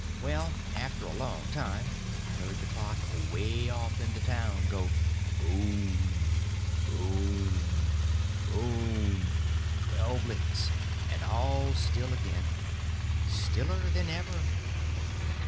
Well, after a long time I heard the clock away off in the town go boom—boom—boom—twelve licks; and all still again—stiller than ever.